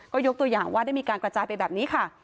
ก็ยกตัวอย่างว่าได้มีการกระจายไปแบบนี้ค่ะ